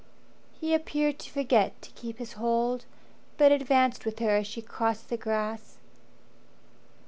He appeared to forget to keep his hold, But advanced with her as she crossed the grass.